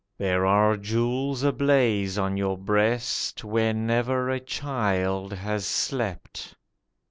There are jewels ablaze on your breast where never a child has slept.